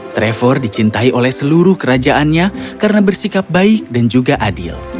trevor dicintai oleh seluruh kerajaannya karena bersikap baik dan juga adil